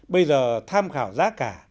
bây giờ tham khảo giá cả